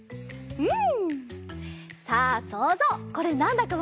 うん！